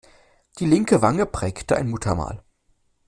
Die linke Wange prägte ein Muttermal.